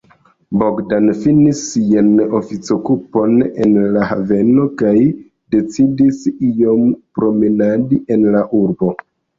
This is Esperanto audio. Bogdan finis sian oficokupon en la haveno kaj decidis iom promenadi en la urbo.